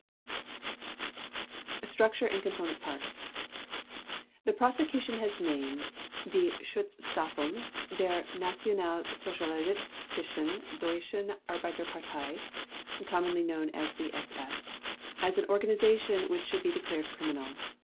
SS Structure and Component Parts: The Prosecution has named Die Schutzstaffeln der Nationalsozialistischen Deutschen Arbeiterpartei (commonly known as the SS) as an organization which should be declared criminal.